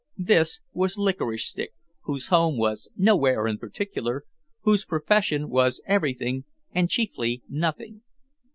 This was Licorice Stick whose home was nowhere in particular, whose profession was everything and chiefly nothing.